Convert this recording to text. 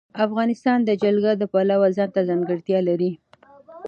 افغانستان د جلګه د پلوه ځانته ځانګړتیا لري.